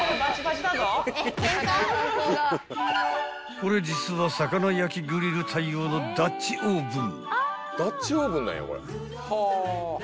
［これ実は魚焼きグリル対応のダッチオーブン］